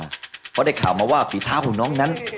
เพราะได้ข่าวมาว่าฝีเท้าของน้องนั้น